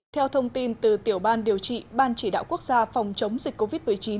theo thông tin từ tiểu ban điều trị ban chỉ đạo quốc gia phòng chống dịch covid một mươi chín